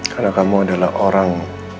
karena kamu adalah orang